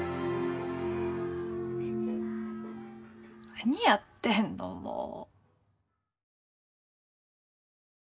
何やってんのもう。